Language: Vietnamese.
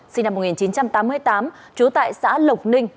sinh năm một nghìn chín trăm tám mươi tám trú tại xã lộc ninh